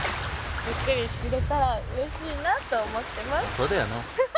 そうだよな。